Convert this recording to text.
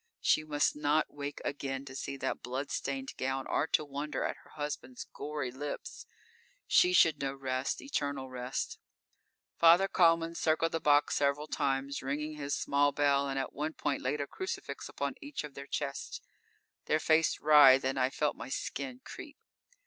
She must not wake again to see that blood stained gown or to wonder at her husband's gory lips. She should know rest, eternal rest. Father Kalman circled the box several times, ringing his small bell, and at one point laid a crucifix upon each of their chests. Their faces writhed and I felt my skin creep.